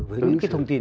với những cái thông tin